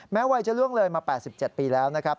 วัยจะล่วงเลยมา๘๗ปีแล้วนะครับ